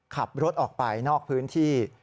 ขับรถออกไปนอกพื้นที่